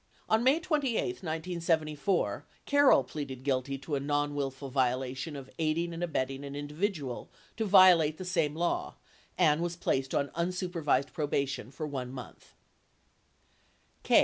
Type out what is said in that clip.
On May 28, 1974, Carroll pleaded guilty to a nonwillful violation of aiding and abetting an individual to violate the same law and was placed on unsupervised probation for 1 month.